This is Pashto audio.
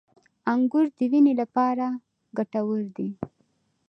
• انګور د وینې لپاره ګټور دي.